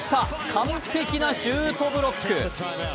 完璧なシュートブロック。